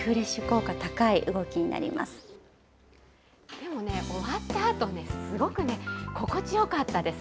でもね、終わったあと、すごくね、心地よかったです。